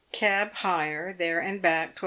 Cab hire, there and back, 12s.